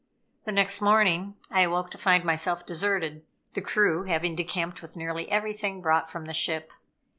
The next morning I awoke to find myself deserted, the crew having decamped with nearly everything brought from the ship.